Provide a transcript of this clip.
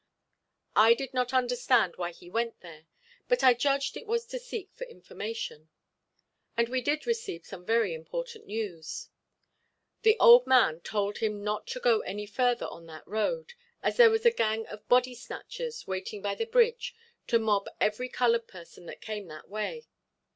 I did not understand why he went there, but I judged it was to seek for information; and we did receive some very important news. The old man told him not to go any further on that road as there was a gang of body snatchers waiting by the bridge to mob every colored person that came that way.